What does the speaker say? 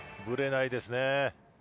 ぶれないですね。